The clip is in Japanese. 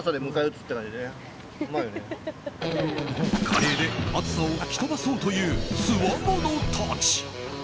カレーで暑さを吹き飛ばそうというつわものたち。